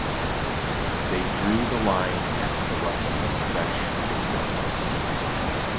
They draw the line at corrupting fresh victims.